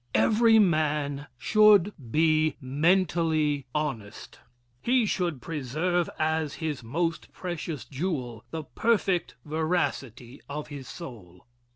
Every Man Should be Mentally Honest. He should preserve as his most precious jewel the perfect veracity of his soul.